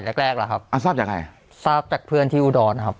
แรกแรกล่ะครับอ่าทราบยังไงทราบจากเพื่อนที่อุดรครับ